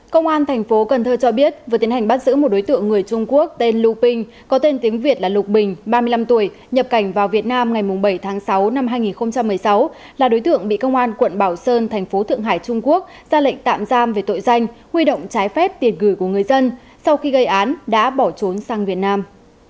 công an thành phố cần thơ cho biết vừa tiến hành bắt giữ một đối tượng người trung quốc tên luping có tên tiếng việt là lục bình ba mươi năm tuổi nhập cảnh vào việt nam ngày bảy tháng sáu năm hai nghìn một mươi sáu là đối tượng bị công an quận bảo sơn thành phố thượng hải trung quốc ra lệnh tạm giam về tội danh huy động trái phép tiền gửi của người dân sau khi gây án đã bỏ trốn sang việt nam